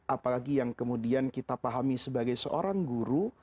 apalagi yang kemudian kita pahami sebagai seorang guru